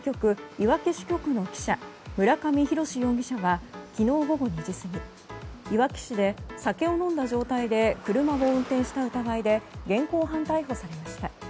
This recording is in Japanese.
いわき支局の記者村上浩容疑者は昨日午後２時過ぎいわき市で酒を飲んだ状態で車を運転した疑いで現行犯逮捕されました。